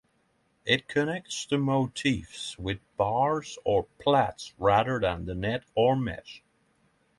It connects the motifs with bars or plaits rather than net or mesh.